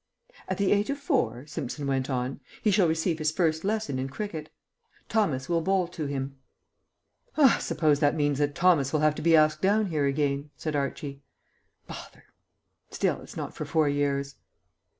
"At the age of four," Simpson went on, "he shall receive his first lesson in cricket. Thomas will bowl to him " "I suppose that means that Thomas will have to be asked down here again," said Archie. "Bother! Still, it's not for four years."